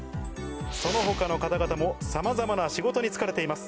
その他の方々もさまざまな仕事に就かれています。